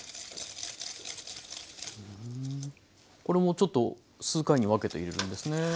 これもちょっと数回に分けて入れるんですね。